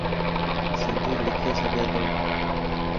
سنڌي لکي سگھي ٿو.